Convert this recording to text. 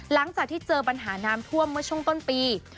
หลังจากที่เจอปัญหาน้ำท่วมเมื่อช่วงต้นปี